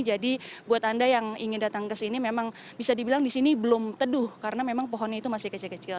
jadi buat anda yang ingin datang ke sini memang bisa dibilang di sini belum teduh karena memang pohonnya itu masih kecil kecil